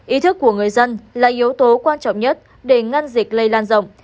ý thức của người dân là yếu tố quan trọng nhất để ngăn dịch lây lan rộng